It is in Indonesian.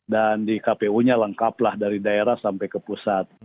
dan di kpu nya lengkaplah dari daerah sampai ke pusat